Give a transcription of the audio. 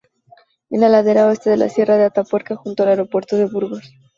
En la ladera oeste de la Sierra de Atapuerca, junto al aeropuerto de Burgos.